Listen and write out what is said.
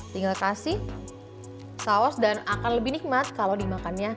tinggal kasi sauce dan akan lebih nikmat kalau dimakannya